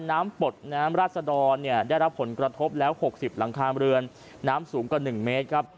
น้ำปดน้ำราษฎรเนี่ยได้รับผลกระทบแล้วหกสิบหลังคามเรือนน้ำสูงกว่าหนึ่งเมตรครับ